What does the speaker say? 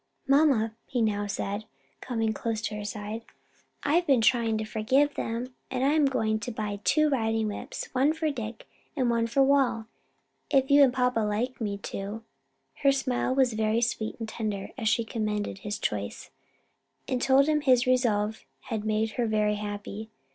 "Mamma," he now said, coming close to her side, "I've been trying to forgive them, and I'm going to buy two riding whips, one for Dick, and one for Wal; if you and papa like me to." Her smile was very sweet and tender as she commended his choice, and told him his resolve had made her very happy.